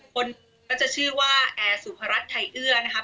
คนก็จะชื่อว่าแอร์สุพรัชไทยเอื้อนะครับ